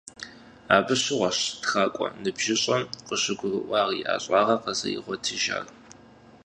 Абы щыгъуэщ тхакӀуэ ныбжьыщӀэм къыщыгурыӀуар и ӀэщӀагъэр къызэригъуэтыжар.